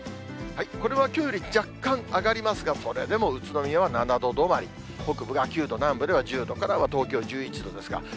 これはきょうより若干上がりますが、それでも宇都宮は７度止まり、北部が９度、南部では１０度から、東京では１１度ですか。